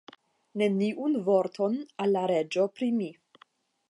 Neniun vorton al la reĝo pri mi.